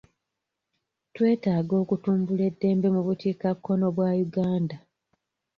Twetaaga okutumbula eddembe mu bukiikakkono bwa Uganda.